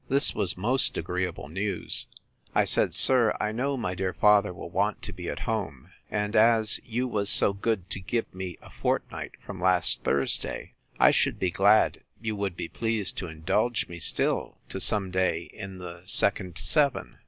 This was most agreeable news. I said, Sir, I know my dear father will want to be at home: and as you was so good to give me a fortnight from last Thursday, I should be glad you would be pleased to indulge me still to some day in the second seven.